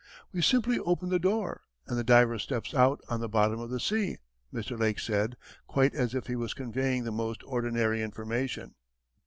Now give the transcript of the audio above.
"We simply open the door, and the diver steps out on the bottom of the sea," Mr. Lake said, quite as if he was conveying the most ordinary information.